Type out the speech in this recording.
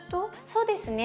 そうですね。